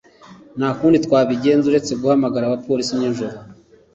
Nta kundi twabigenza uretse guhamagara abapolisi nijoro